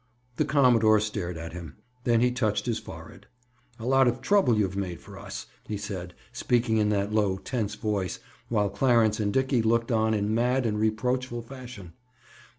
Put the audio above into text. The commodore stared at him. Then he touched his forehead. "A lot of trouble you've made for us," he said, speaking in that low tense voice, while Clarence and Dickie looked on in mad and reproachful fashion.